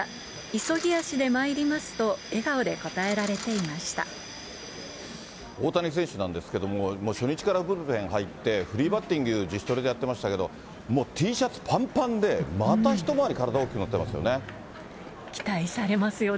急ぎ足でまいりますと、大谷選手なんですけれども、もう初日からブルペン入って、フリーバッティング、自主トレでやってましたけど、もうＴシャツぱんぱんで、また一回り体大きくなってますよね。